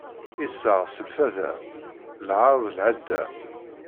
Iseɣ s leḥfaḍa, lɛaṛ d lɛadda.